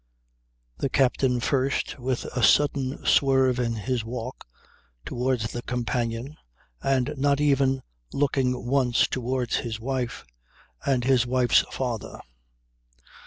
The captain first, with a sudden swerve in his walk towards the companion, and not even looking once towards his wife and his wife's father.